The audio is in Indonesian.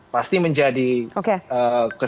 pasti menjadi kesedaran